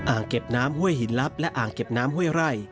เก็บน้ำห้วยหินลับและอ่างเก็บน้ำห้วยไร่